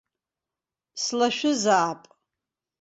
Слашәызаап.